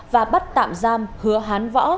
và bắt tạm giam hứa hán võ